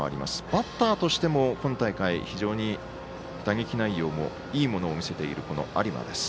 バッターとしても今大会、非常に打撃内容もいいものを見せている、有馬です。